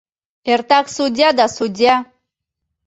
Эртак судья да судья!